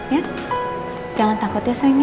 ya jangan takut ya sayangnya